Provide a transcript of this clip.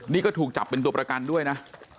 นี่ก็ถูกจับเป็นตัวประกันด้วยนะ